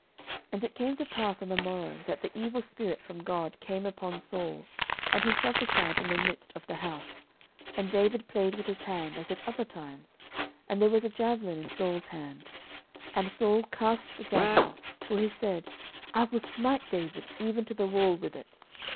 09:018:010 And it came to pass on the morrow, that the evil spirit from God came upon Saul, and he prophesied in the midst of the house: and David played with his hand, as at other times: and there was a javelin in Saul's hand. 09:018:011 And Saul cast the javelin; for he said, I will smite David even to the wall with it.